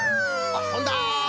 あっとんだ！